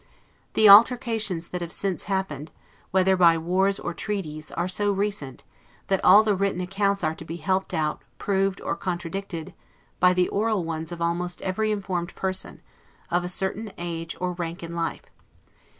The alterations that have since happened, whether by wars or treaties, are so recent, that all the written accounts are to be helped out, proved, or contradicted, by the oral ones of almost every informed person, of a certain age or rank in life.